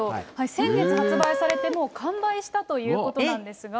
先月発売されて、もう完売したということなんですが。